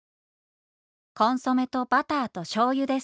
「コンソメとバターと醤油です！」。